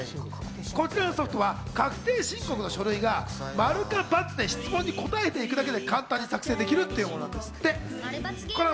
こちらのソフトは確定申告の書類が○か×かで質問に答えていくだけで簡単に作成できるというものなんですって。